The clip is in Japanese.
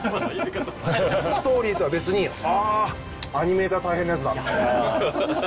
ストーリーとは別にあアニメーター大変なやつだ。